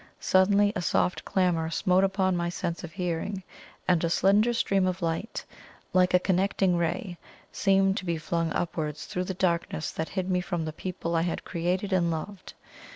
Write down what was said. Suddenly a soft clamour smote upon my sense of hearing, and a slender stream of light, like a connecting ray, seemed to be flung upwards through the darkness that hid me from the people I had created and loved.